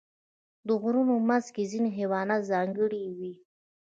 د غرونو منځ کې ځینې حیوانات ځانګړي وي.